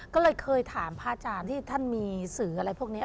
ก็เลยเคยถามพระอาจารย์ที่ท่านมีสื่ออะไรพวกนี้